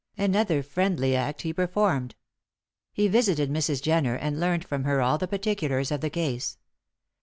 Another friendly act he performed. He visited Mrs. Jenner and learned from her all the particulars of the case.